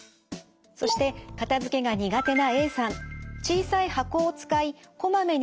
そして片付けが苦手なＡさん